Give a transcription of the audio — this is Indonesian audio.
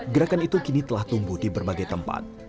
gerakan itu kini telah tumbuh di berbagai tempat